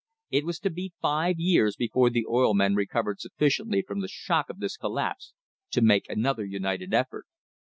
It was to be five years before the oil men recovered sufficiently from the shock of this collapse to make another united effort.